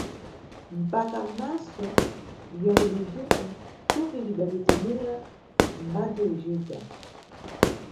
Mpaka, maso yakuduzuka, thupi litdatetemera mbadzo icigwa.